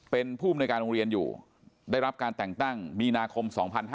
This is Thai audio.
เป็นผู้มนุยการโรงเรียนอยู่ได้รับการแต่งตั้งมีนาคม๒๕๕๙